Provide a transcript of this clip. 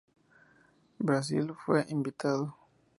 Brasil fue invitado.